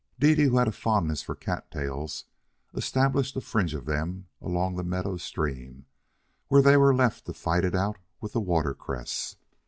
Dede, who had a fondness for cattails, established a fringe of them along the meadow stream, where they were left to fight it out with the water cress.